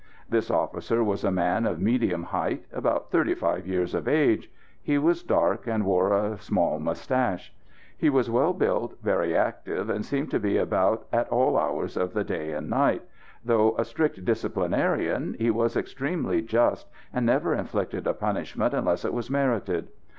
This officer was a man of medium height, about thirty five years of age. He was dark, and wore a small moustache. He was well built, very active, and seemed to be about at all hours of the day and night. Though a strict disciplinarian he was extremely just, and never inflicted a punishment unless it was merited.